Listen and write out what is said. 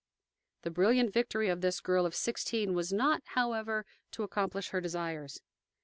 The brilliant victory of this girl of sixteen was not, however, to accomplish her desires.